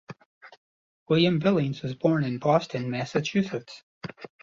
William Billings was born in Boston, Massachusetts.